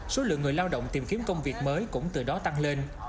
số lượng người lao động tìm kiếm công việc mới cũng từ đó tăng lên